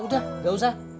udah nggak usah